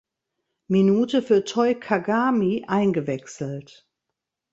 Minute für Toi Kagami eingewechselt.